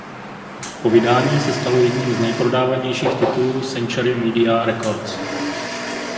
Po vydání se stalo jedním z nejprodávanějších titulů Century Media Records.